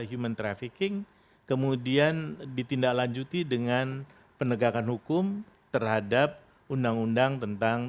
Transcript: human trafficking kemudian ditindaklanjuti dengan penegakan hukum terhadap undang undang tentang